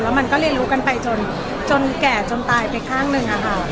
มันก็เรียนรู้กันไปจนแก่จนตายไปข้างหนึ่งอะค่ะ